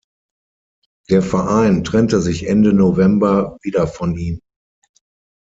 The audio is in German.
Der Verein trennte sich Ende November wieder von ihm.